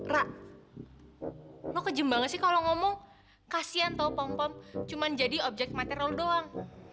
ra lu kejem banget sih kalau ngomong kasian tau pompom cuma jadi objek material doang